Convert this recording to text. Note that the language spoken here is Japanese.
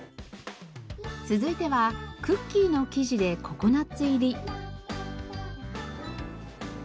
続いてはクッキーの生地でココナッツ入り。